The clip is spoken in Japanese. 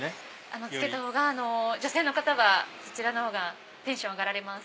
つけたほうが女性はそちらのほうがテンション上がられます。